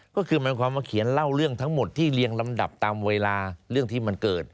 ก็คือหมายความว่าเขียนเล่าเรื่องทั้งหมดที่เรียงลำดับตามเวลาเรื่องที่มันเกิด